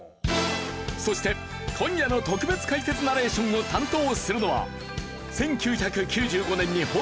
そして今夜の特別解説ナレーションを担当するのは１９９５年に放送開始